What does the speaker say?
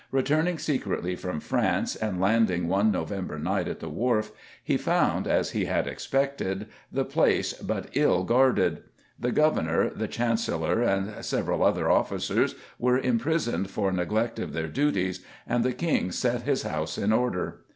Returning secretly from France, and landing one November night at the Wharf, he found, as he had expected, the place but ill guarded. The Governor, the Chancellor, and several other officers were imprisoned for neglect of their duties, and the King set his house in order.